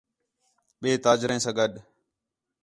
ٻئے تاجریں سا گݙ